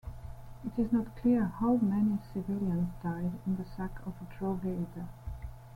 It is not clear how many civilians died in the sack of Drogheda.